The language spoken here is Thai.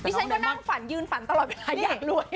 พี่ชัยก็นั่งฝันยืนฝันตลอดอยากรวย